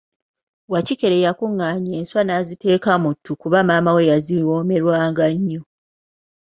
Wakikere yakunganya enswa naaziteeka muttu kuba maama we yaziwomerwanga nnyo.